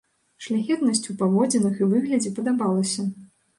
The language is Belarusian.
Шляхетнасць у паводзінах і выглядзе падабалася.